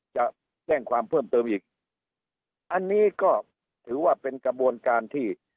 จะแจ้งความเพิ่มเติมอีกอันนี้ก็ถือว่าเป็นกระบวนการที่